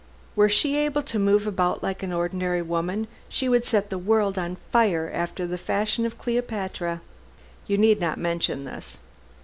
Were she able to move about like an ordinary woman, she would set the world on fire after the fashion of Cleopatra. You need not mention this."